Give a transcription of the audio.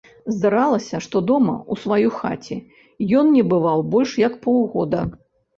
Здаралася, што дома, у сваёй хаце, ён не бываў больш як паўгода.